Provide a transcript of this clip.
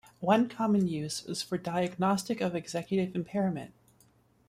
One common use is for diagnosis of executive impairment.